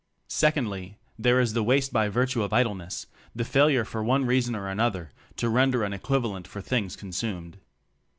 Secondly, there is the waste by virtue of idleness — the fail ure for one reason or another, to render an equivalent for things consumed.